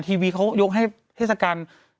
ทีวีเขายกให้เทศกาล